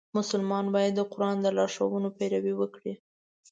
مسلمان باید د قرآن د لارښوونو پیروي وکړي.